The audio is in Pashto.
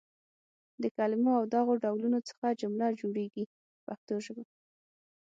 د کلمو له دغو ډولونو څخه جمله جوړیږي په پښتو ژبه.